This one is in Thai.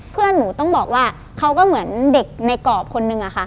เพื่อนหนูต้องบอกว่าเขาก็เหมือนเด็กในกรอบคนนึงอะค่ะ